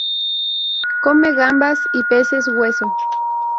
Come gambas y peces hueso.